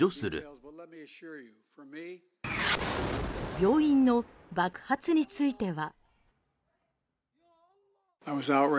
病院の爆発については。